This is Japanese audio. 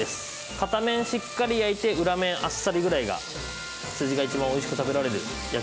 片面しっかり焼いて裏面あっさりぐらいが羊が一番美味しく食べられる焼き具合かなと思います。